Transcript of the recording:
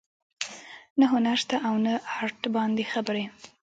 نه هنر شته او نه ارټ باندې خبرې